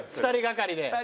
２人がかりで。